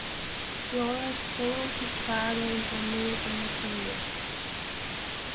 Lawrence followed his father into a military career.